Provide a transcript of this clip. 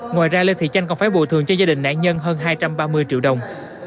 ngoài ra lê thị chanh còn phải bồi thường cho gia đình nạn nhân hơn hai trăm ba mươi triệu đồng